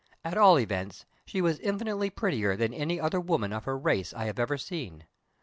At all events, she was infinitely prettier than any other woman of her race I have ever seen.